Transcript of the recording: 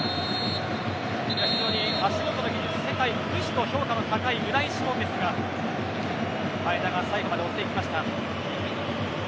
非常に足元の技術は世界屈指との評価のあるウナイ・シモンですが前田が最後まで追っていきました。